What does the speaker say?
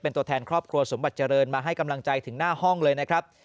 ตัวแทนครอบครัวสมบัติเจริญมาให้กำลังใจถึงหน้าห้องเลยนะครับ